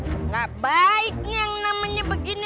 enggak baik nih yang namanya begitu